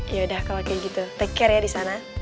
yaudah kalau kayak gitu take care ya di sana